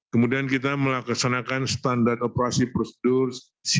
kemudian kita melaksanakan standar operasi prosedur siaga bencana